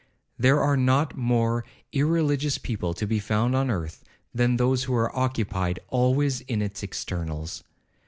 There are not more irreligious people to be found on earth than those who are occupied always in its externals.